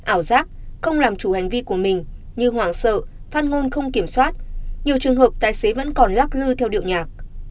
ảo giác không làm chủ hành vi của mình như hoảng sợ phát ngôn không kiểm soát nhiều trường hợp tài xế vẫn còn lác lư theo điệu nhạc